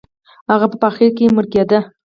هغه به په اخر کې مړ کېده.